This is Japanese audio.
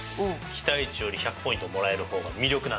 期待値より１００ポイントもらえる方が魅力なんでね！